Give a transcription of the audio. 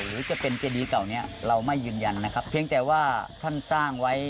หรือจะเป็นเจดีเก่านี้เราไม่ยืนยันนะครับเพียงแต่ว่าท่านสร้างไว้